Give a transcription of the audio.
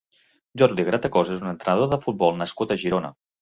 Jordi Gratacós és un entrenador de futbol nascut a Girona.